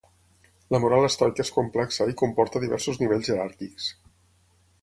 La moral estoica és complexa i comporta diversos nivells jeràrquics.